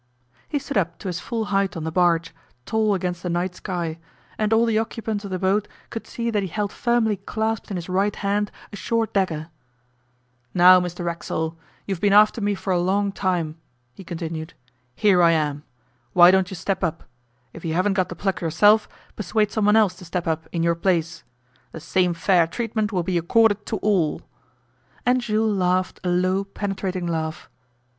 He stood up to his full height on the barge, tall against the night sky, and all the occupants of the boat could see that he held firmly clasped in his right hand a short dagger. 'Now, Mr Racksole, you've been after me for a long time,' he continued; 'here I am. Why don't you step up? If you haven't got the pluck yourself, persuade someone else to step up in your place ... the same fair treatment will be accorded to all.' And Jules laughed a low, penetrating laugh.